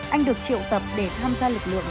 anh được triệu tập để tham gia lực lượng